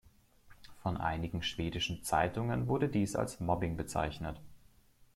Von einigen schwedischen Zeitungen wurde dies als Mobbing bezeichnet.